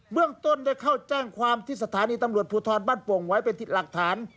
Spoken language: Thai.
เรื่องต้นได้เข้าแจ้งความที่สถานีตำรวจภูทรบ้านโป่งไว้เป็นหลักฐาน